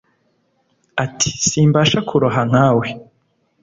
Ati: "Simbasha kuroha nka mwe!